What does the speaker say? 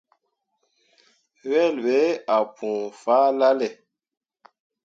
Wel ɓe ah pũu fahlalle.